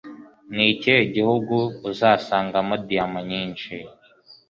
Ni ikihe gihugu Uzasangamo diyama nyinshi